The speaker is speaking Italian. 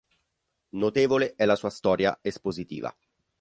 Notevole è la sua storia espositiva.